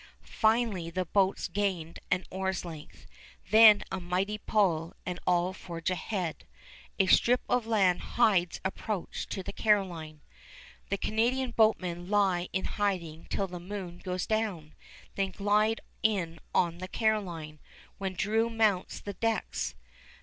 Finally the boats gained an oar's length. Then a mighty pull, and all forge ahead. A strip of land hides approach to the Caroline. The Canadian boatmen lie in hiding till the moon goes down, then glide in on the Caroline, when Drew mounts the decks.